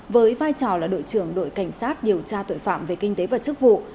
với vai trò là đội trưởng đội cảnh sát điều tra tội phạm về kinh tế và chức vụ